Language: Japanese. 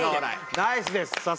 ナイスです